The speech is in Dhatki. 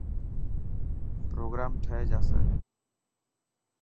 پروگرام ٺهي جاسي.